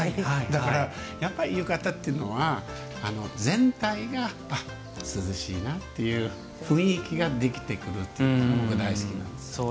だから、やっぱり浴衣は全体が涼しいなっていう雰囲気ができてくるっていうのが僕、大好きなんです。